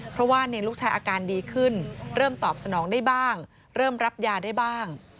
เพราะว่าลูกชายอาการดีขึ้นเริ่มตอบสนองได้บ้างเริ่มรับยาได้บ้าง